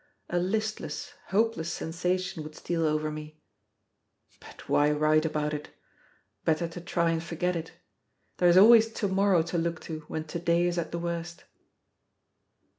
A listless, hopeless sensation would steal over me; but why write about it? Better to try and forget it. There is always to morrow to look to when to day is at the worst.